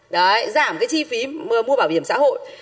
đấy giảm cái chi phí mua bảo hiểm xã hội